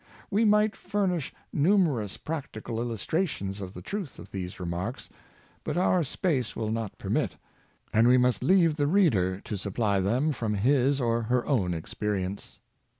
We might furnish numerous practical illustrations of the truth of these remarks, but our space will not permit, and we must leave the reader to supply them from his or her own experience.